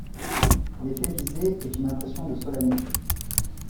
L'effet visé est une impression de solennité.